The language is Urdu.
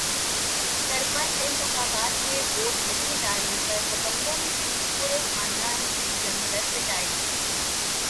سرپنچ انتخابات میں ووٹ نہیں ڈالنے پر دبنگوں نے کی پورے خاندان کی جم کر پٹائی